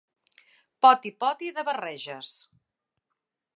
Poti-poti de barreges.